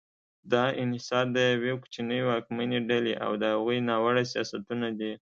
دا انحصار د یوې کوچنۍ واکمنې ډلې او د هغوی ناوړه سیاستونه دي.